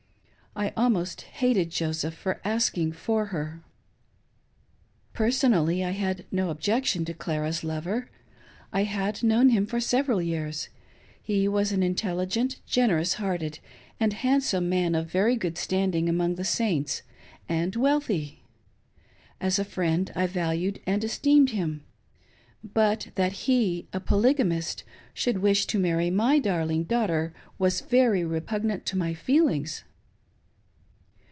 I almost hated Joseph for asking for her. Personally I had no objection to Clara's lover. I had known him for several years. He was an intelligent, generous hearted, and handsome man, of very good standing among the Saints, and wealthy. As a friend, I valued and esteemed him ; but that he, a,polygamist, should wish to marry my darling daughter, was very repugnant to my feelings.